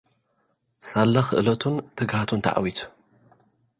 ሳላ ኽእለቱን ትግሃቱን ተዓዊቱ።